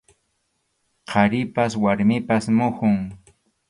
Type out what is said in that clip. Qharipa warmipa muhun.